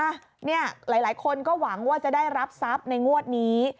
หลายคนก็หวังว่าจะได้รับทรัพย์ในงวดนี้